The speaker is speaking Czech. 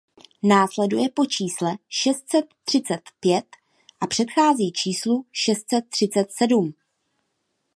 Následuje po čísle šest set třicet pět a předchází číslu šest set třicet sedm.